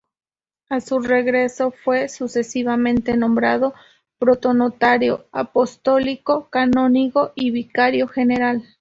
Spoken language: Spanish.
A su regreso fue sucesivamente nombrado protonotario apostólico, canónigo y vicario general.